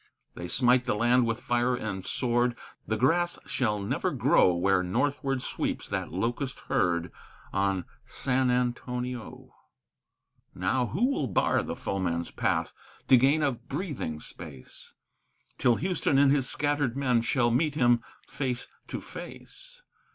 They smite the land with fire and sword; the grass shall never grow Where northward sweeps that locust herd on San Antonio! Now who will bar the foeman's path, to gain a breathing space, Till Houston and his scattered men shall meet him face to face?